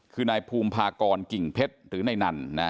คือนายภูมิภากรกิ่งเพชรหรือนายนัน